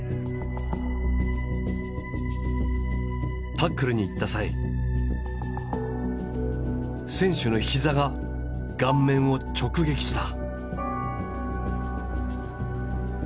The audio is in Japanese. タックルに行った際選手の膝が顔面を直撃した。